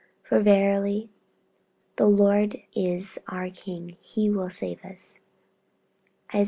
For verily, 'The Lord is our King; He will save us' (Isa.